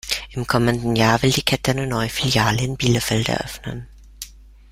Im kommenden Jahr will die Kette eine neue Filiale in Bielefeld eröffnen.